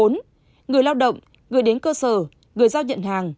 người lao động người đến cơ sở người giao nhận hàng